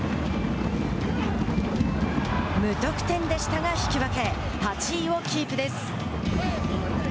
無得点でしたが引き分け８位をキープです。